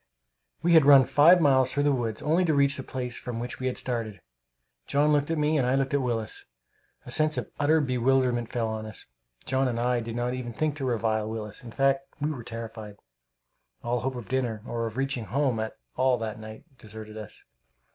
We had run five miles through the woods, only to reach the place from which we had started. John looked at me, and I looked at Willis. A sense of utter bewilderment fell on us. John and I did not even think to revile Willis. In fact, we were terrified. All hope of dinner, or of reaching home at all that night, deserted us.